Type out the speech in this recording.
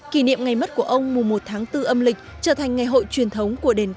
kỷ niệm ngày mất của ông mùa một tháng bốn âm lịch trở thành ngày hội truyền thống của đền